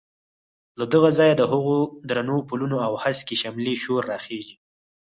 له دغه ځایه د هغو درنو پلونو او هسکې شملې شور راخېژي.